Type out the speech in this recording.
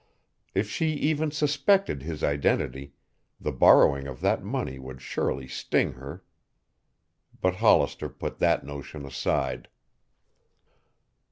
If she even suspected his identity, the borrowing of that money would surely sting her. But Hollister put that notion aside.